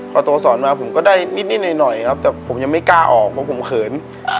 พอโตสอนมาผมก็ได้นิดหน่อยครับแต่ผมยังไม่กล้าออกเพราะผมเขิน